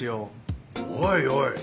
おいおい。